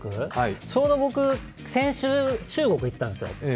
ちょうど僕、先週中国に行ってたんですよ。